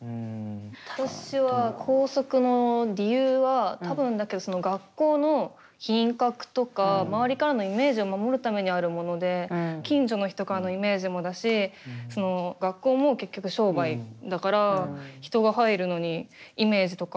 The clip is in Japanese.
私は校則の理由は多分だけどその学校の品格とか周りからのイメージを守るためにあるもので近所の人からのイメージもだしその学校も結局商売だから人が入るのにイメージとか。